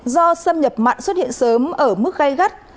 do xâm nhập mặn xuất hiện sớm ở mức gây gắt